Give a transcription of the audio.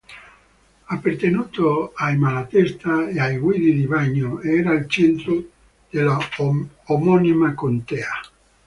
Appartenuto ai Malatesta e ai Guidi di Bagno era al centro dell'omonima contea.